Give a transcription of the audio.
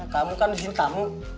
kamu kan di sini tamu